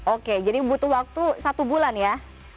oke jadi butuh waktu satu bulan ya